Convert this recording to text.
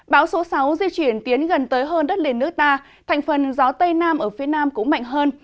bão số sáu di chuyển tiến gần tới hơn đất liền nước ta thành phần gió tây nam ở phía nam cũng mạnh hơn